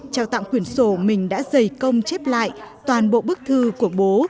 trao tặng quyển sổ mình đã dày công chép lại toàn bộ bức thư của bố